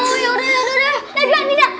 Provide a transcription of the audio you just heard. aduh yaudah yaudah